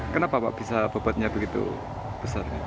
kenapa pak bisa bebatnya begitu besar